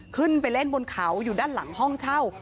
ขึ้นไปเล่นบนเขาอยู่ด้านหลังห้องเช่า